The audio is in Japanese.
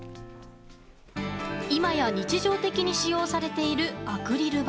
今や日常的に使用されているアクリル板。